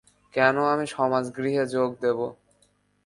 কেন আমি সমাজগৃহে যোগ দেব?